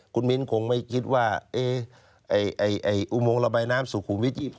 คุณมิ้นคงไม่คิดว่าอุโมงระบายน้ำสุขุมวิท๒๖